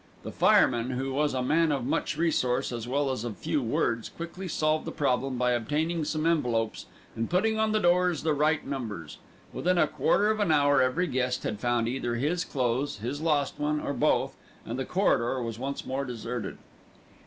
The fireman, who was a man of much resource as well as of few words, quickly solved the problem by obtaining some envelopes and putting on the doors the right numbers. Within a quarter of an hour every guest had found either his clothes, his lost one, or both, and the corridor was once more deserted.